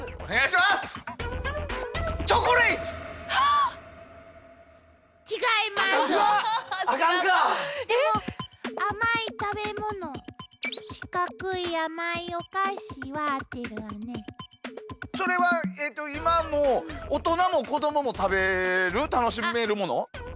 それは今も大人も子供も食べる楽しめるもの？